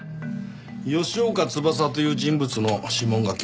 吉岡翼という人物の指紋が検出された。